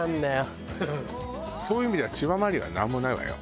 そういう意味では千葉マリンはなんもないわよ。